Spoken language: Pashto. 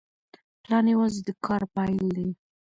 پلان یوازې د کار پیل دی.